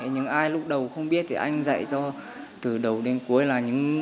nhưng ai lúc đầu không biết thì anh dạy cho từ đầu đến cuối là những